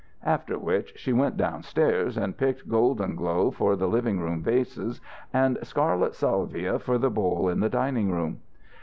After which she went downstairs and picked golden glow for the living room vases and scarlet salvia for the bowl in the dining room.